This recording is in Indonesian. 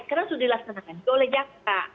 karena sudah dilaksanakan oleh jaksa